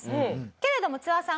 けれどもツワさん